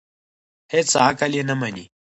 هېڅ عقل یې نه مني.